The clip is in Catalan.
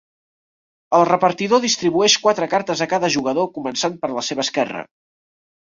El repartidor distribueix quatre cartes a cada jugador començant per la seva esquerra.